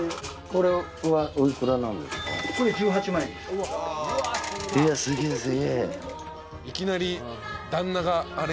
これ１８万円です。